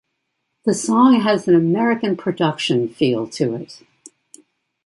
The song has an "American production" feel to it.